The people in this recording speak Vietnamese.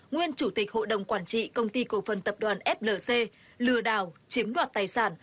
nguyên chủ tịch hội đồng quản trị công ty cổ phần tập đoàn flc lừa đảo chiếm đoạt tài sản